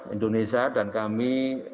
indonesia dan kami